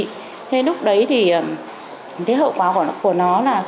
thế lúc đấy thì cái hậu quả của nó là